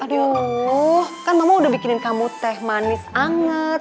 aduh kan mama udah bikinin kamu teh manis anget